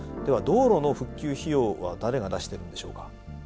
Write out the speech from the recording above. では道路の復旧費用は誰が出してるんでしょうか。